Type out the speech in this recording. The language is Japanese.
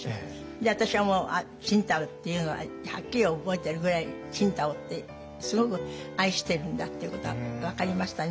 で私はもう青島っていうのははっきり覚えてるぐらい青島ってすごく愛してるんだっていうことは分かりましたね